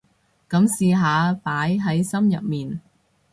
噉試下擺喺心入面